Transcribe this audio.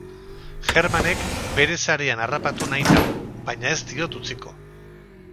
Germanek bere sarean harrapatu nahi nau, baina ez diot utziko.